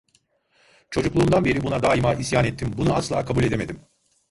Çocukluğumdan beri buna daima isyan ettim, bunu asla kabul edemedim.